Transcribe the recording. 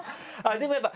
でもやっぱ。